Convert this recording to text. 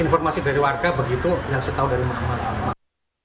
informasi dari warga begitu yang setau dari mak mak